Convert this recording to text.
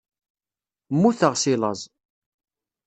Mmuteɣ si laẓ.